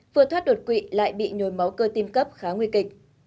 vừa thoát đột quỵ lại bị nhồi máu cơ tim cấp khá nguy kịch